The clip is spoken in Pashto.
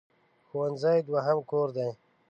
ښوونځی دوهم کور دی.